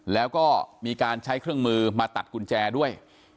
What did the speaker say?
แล้วก็มีการใช้เครื่องมือมาตัดกุญแจด้วย